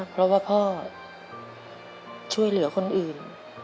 เพราะว่าพ่อช่วยเหลือคนอื่น